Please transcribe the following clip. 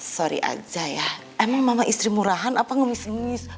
sorry aja ya emang mama istri murahan apa ngemis ngemis